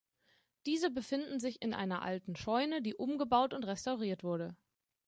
Diese befinden sich in einer alten Scheune, die umgebaut und restauriert wurde.